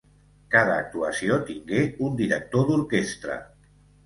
Cada actuació tingué un director d'orquestra.